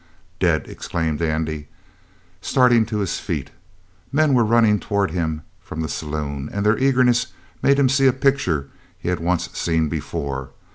"Dead!" exclaimed Andy, starting to his feet. Men were running toward him from the saloon, and their eagerness made him see a picture he had once seen before.